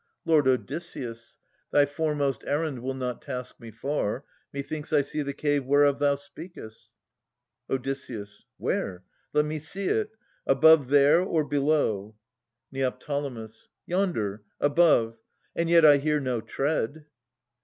Lord Odysseus, Thy foremost errand will not task me far. Methinks I see the cave whereof thou speakest. Od. Where ? let me see it. Above there, or below ? Neo. Yonder, above. And yet I hear no tread.